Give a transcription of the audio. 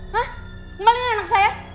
hah kembali ke anak saya